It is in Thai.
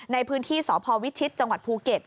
ในพื้นที่สพวิชิตจังหวัดภูเก็ต